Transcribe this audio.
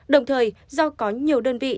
đồng thời do có nhiều đơn vị